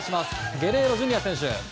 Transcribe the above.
ゲレーロＪｒ．選手。